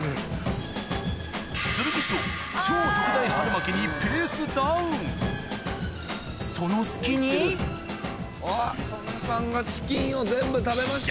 剣翔超特大春巻きにその隙にあっ曽根さんがチキンを全部食べました。